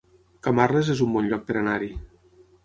Camarles es un bon lloc per anar-hi